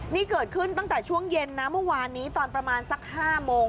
นี่เกิดขึ้นตั้งแต่ช่วงเย็นนะเมื่อวานนี้ตอนประมาณสัก๕โมง